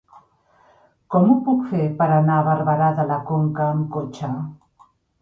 Com ho puc fer per anar a Barberà de la Conca amb cotxe?